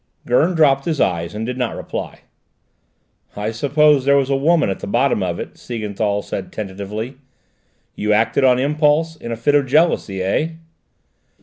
Gurn dropped his eyes and did not reply. "I suppose there was a woman at the bottom of it?" Siegenthal said tentatively. "You acted on impulse, in a fit of jealousy, eh?"